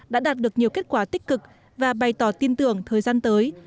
đã đạt được nhiều kết quả tích cực và bày tỏ tin tưởng thời gian tới